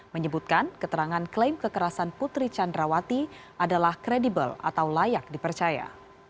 menyebutkan keterangan klaim kekerasan putri candrawati adalah kredibel atau layak dipercaya